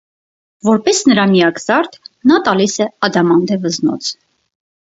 Որպես նրա միակ զարդ, նա տալիս է ադամանդե վզնոց։